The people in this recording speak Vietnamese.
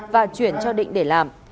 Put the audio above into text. và chuyển cho định để làm